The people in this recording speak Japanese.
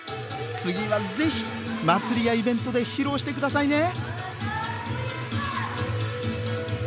次はぜひ祭りやイベントで披露して下さいね！